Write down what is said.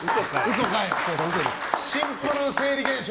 シンプル生理現象。